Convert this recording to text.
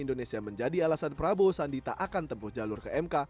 indonesia menjadi alasan prabowo sandi tak akan tempuh jalur ke mk